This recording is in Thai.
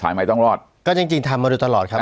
ใหม่ต้องรอดก็จริงจริงทำมาโดยตลอดครับ